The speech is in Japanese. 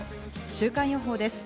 週間予報です。